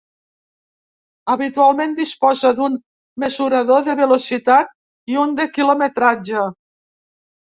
Habitualment disposa d'un mesurador de velocitat i un de quilometratge.